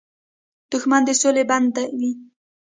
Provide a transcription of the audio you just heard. دښمن د سولې بنده وي